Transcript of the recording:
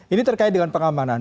ini terkait dengan pengamanan